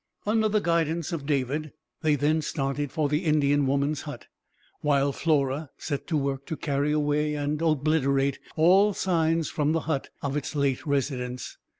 Under the guidance of David, they then started for the Indian woman's hut; while Flora set to work to carry away and obliterate all signs, from the hut, of its late residents.